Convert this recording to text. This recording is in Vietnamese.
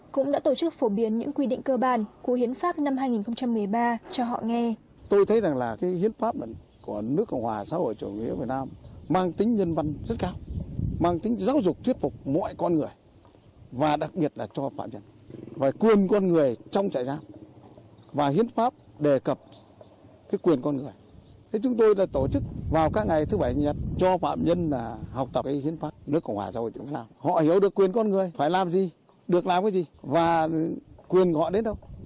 cũng đã tổ chức phổ biến những quy định cơ bản của hiến pháp năm hai nghìn một mươi ba cho họ nghe